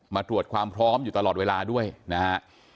มาตรวจความพร้อมอยู่ตลอดเวลาด้วยนะฮะ